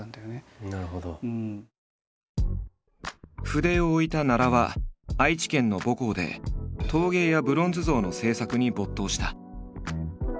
筆を置いた奈良は愛知県の母校で陶芸やブロンズ像の制作に没頭した。